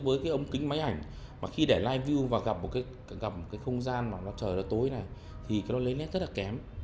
với cái ống kính máy ảnh mà khi để live view và gặp một cái không gian mà nó trời nó tối này thì nó lấy nét rất là kém